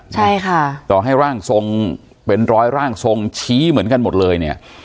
ใช่ค่ะต่อให้ร่างทรงเป็นร้อยร่างทรงชี้เหมือนกันหมดเลยเนี่ย